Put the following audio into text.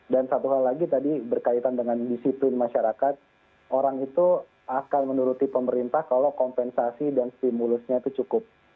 dan satu hal lagi tadi berkaitan dengan disiplin masyarakat orang itu akan menuruti pemerintah kalau kompensasi dan stimulusnya itu cukup